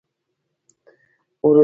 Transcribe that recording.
وروسته نو د غلجیو عمومي ښورښ پیل شو.